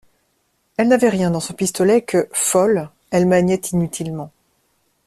Elle n'avait rien dans son pistolet que, folle, elle maniait inutilement.